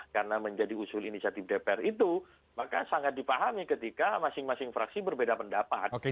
karena menjadi usul inisiatif dpr itu maka sangat dipahami ketika masing masing fraksi berbeda pendapat